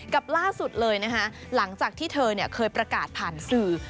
กับล่าสุดเลยนะคะหลังจากที่เธอเคยประกาศผ่านสื่อ